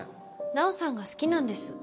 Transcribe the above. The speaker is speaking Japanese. ナオさんが好きなんです。